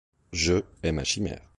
Je est ma chimère.